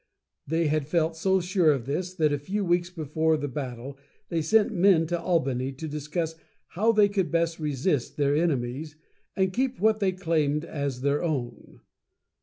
They had felt so sure of this that a few weeks before the battle they sent men to Albany to discuss how they could best resist their enemies, and keep what they claimed as their own.